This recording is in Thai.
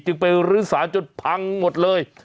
จึงไปรึสารจนพังหมดเลย